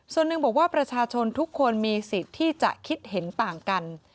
ส่วนหนึ่งบอกว่าประชาชนทุกคนมีสิทธิ์ที่จะคิดเห็นต่างกัน